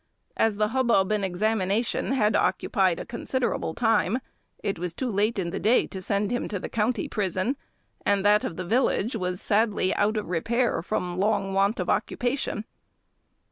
As the hubbub and examination had occupied a considerable time, it was too late in the day to send him to the county prison, and that of the village was sadly out of repair from long want of occupation.